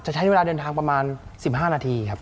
ใช้เวลาเดินทางประมาณ๑๕นาทีครับ